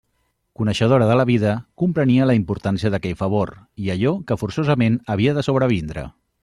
Coneixedora de la vida, comprenia la importància d'aquell favor i allò que forçosament havia de sobrevindre.